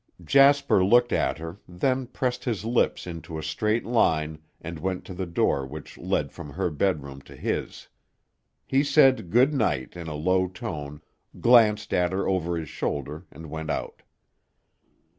Jasper looked at her, then pressed his lips into a straight line and went to the door which led from her bedroom to his. He said "Good night" in a low tone, glanced at her over his shoulder, and went out.